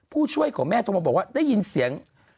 ผู้ช่วยของแม่โทรมาบอกว่าได้ยินเสียง